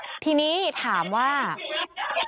เข้าไปในบ้านส่งเสียงโวยวายจนเด็กร้องไห้จ้าเลยอะ